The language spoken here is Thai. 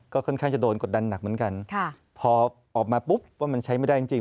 ก็ค่อนข้างจะโดนกดดันหนักเหมือนกันค่ะพอออกมาปุ๊บว่ามันใช้ไม่ได้จริงจริง